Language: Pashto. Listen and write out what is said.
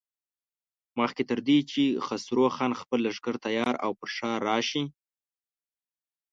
مخکې تر دې چې خسرو خان خپل لښکر تيار او پر ښار راشي.